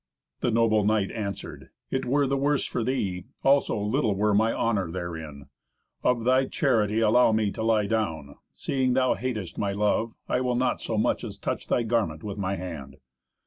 The noble knight answered, "It were the worse for thee. Also little were my honour therein. Of thy charity allow me to lie down. Seeing thou hatest my love, I will no so much as touch thy garment with my hand."